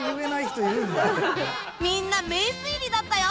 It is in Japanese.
みんな名推理だったよ！